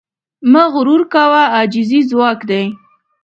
مه غرور کوه، عاجزي ځواک دی.